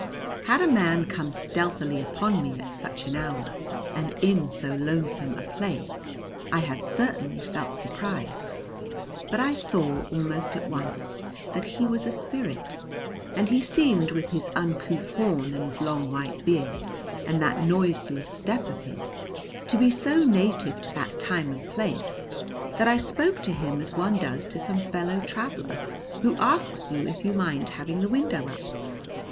Had a man come stealthily upon me at such an hour and in so lonesome a place I had certainly felt surprised; but I saw almost at once that he was a spirit, and he seemed with his uncouth horn and his long white beard and that noiseless step of his to be so native to that time and place that I spoke to him as one does to some fellow traveller who asks you if you mind having the window up.